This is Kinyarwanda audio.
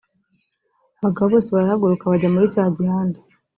Abagabo bose barahaguruka bajya muri cya gihande